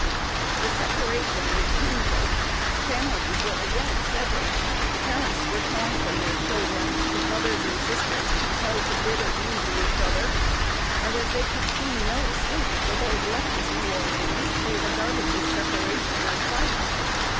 The separation was painful. Families were again severed: parents were torn from their children, and brothers and sisters compelled to bid adieu to each other; and as they could see no escape for those left at New Orleans, they regarded the separation as final.